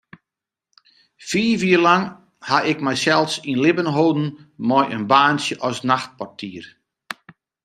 Fiif jier lang ha ik mysels yn libben holden mei in baantsje as nachtportier.